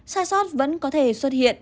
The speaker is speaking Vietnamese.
sai sót vẫn có thể xuất hiện